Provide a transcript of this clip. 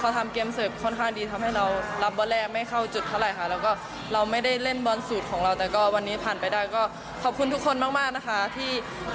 ตั้งแต่ที่แขกมาแมทที่๔อย่างนี้